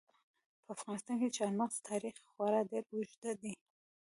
په افغانستان کې د چار مغز تاریخ خورا ډېر اوږد دی.